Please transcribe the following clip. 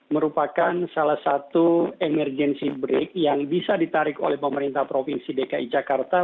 merupakan salah satu emergency break yang bisa ditarik oleh pemerintah provinsi dki jakarta